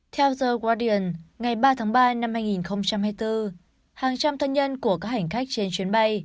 theo giờ gradeian ngày ba tháng ba năm hai nghìn hai mươi bốn hàng trăm thân nhân của các hành khách trên chuyến bay